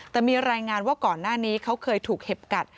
แต่มีรายงานว่าก่อนหน้านี้เขาเคยถูกเห็บกัด